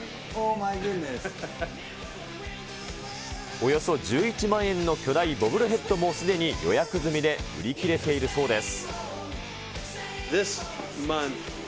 およそ１１万円の巨大ボブルヘッドもすでに予約済みで、売り切れているそうです。